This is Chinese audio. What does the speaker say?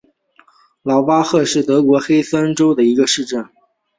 劳巴赫是德国黑森州的一个市镇。